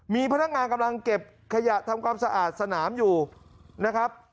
มีพนักงานกำลังเก็บขยะทำความสะอาดสนามอยู่นะครับ